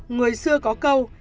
người xưa có câu